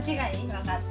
分かった。